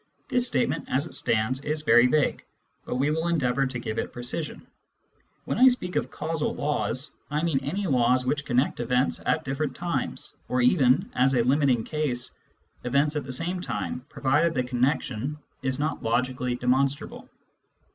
This statement, as it stands, is very vague, but we will endeavour to give it precision. When I speak of causal law s," I mean ?iiy„ Jaws which c onne ct events at difF crent times^ or even, as a limiting case, events at the same time provided the connection is not logically demonstrable.